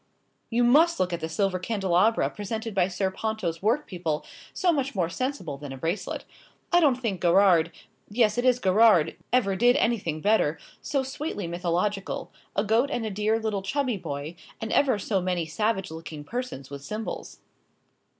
"You must look at the silver candelabra presented by Sir Ponto's workpeople, so much more sensible than a bracelet. I don't think Garrard yes, it is Garrard ever did anything better; so sweetly mythological a goat and a dear little chubby boy, and ever so many savage looking persons with cymbals."